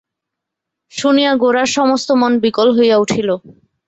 শুনিয়া গোরার সমস্ত মন বিকল হইয়া উঠিল।